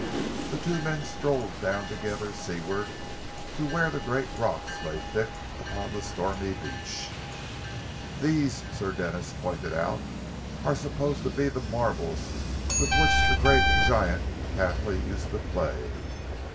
The two men strolled down together seaward to where the great rocks lay thick upon the stormy beach. "These," Sir Denis pointed out, "are supposed to be the marbles with which the great giant Cathley used to play.